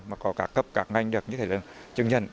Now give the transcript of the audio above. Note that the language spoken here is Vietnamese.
mà có cả cấp cả ngành được như thế là chứng nhận